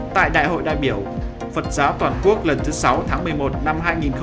tại đại hội đại biểu phật giáo toàn quốc lần thứ sáu tháng một mươi một năm hai nghìn bảy